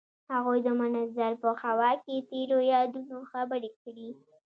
هغوی د منظر په خوا کې تیرو یادونو خبرې کړې.